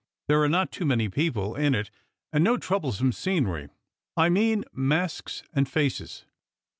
jDhere are not too many people in it, and no troublesome scenery, I mean Masks and Faces."